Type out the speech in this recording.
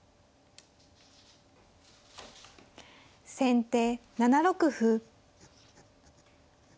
先手７六歩。